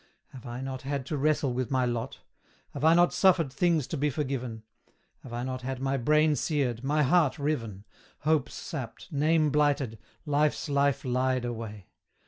Have I not had to wrestle with my lot? Have I not suffered things to be forgiven? Have I not had my brain seared, my heart riven, Hopes sapped, name blighted, Life's life lied away?